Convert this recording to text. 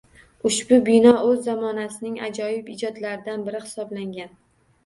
Ushbu bino o‘z zamonasining ajoyib ijodlaridan biri hisoblangan